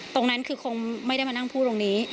ตรงนั้นคือคงไม่ได้มานั่งพูดตรงนี้